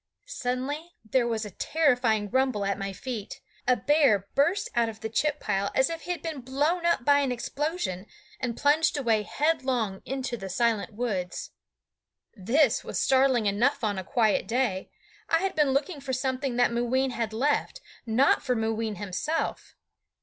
Suddenly there was a terrifying rumble at my feet. A bear burst out of the chip pile, as if he had been blown up by an explosion, and plunged away headlong into the silent woods. This was startling enough on a quiet day. I had been looking for something that Mooween had left, not for Mooween himself.